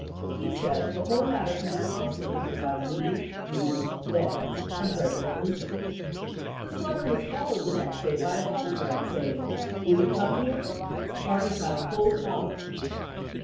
He says the whole matter can be consummated by me, you, them, and President Lincoln." This letter was followed the J<Sly? next day by a telegram saying: "Will you come Ji664.5aMs6' here? Parties have full power."